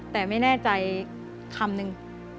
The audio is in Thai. แต่ไม่แน่ใจคำนึง